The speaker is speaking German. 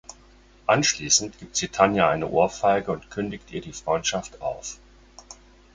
Anschließend gibt sie Tanja eine Ohrfeige und kündigt ihr die Freundschaft auf.